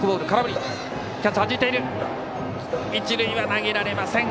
一塁投げられません。